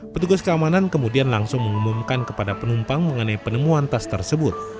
petugas keamanan kemudian langsung mengumumkan kepada penumpang mengenai penemuan tas tersebut